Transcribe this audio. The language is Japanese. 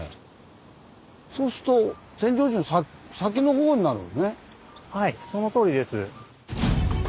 そうするとはいそのとおりです。